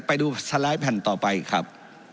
ไปดูสไลด์แผ่นต่อไปครับ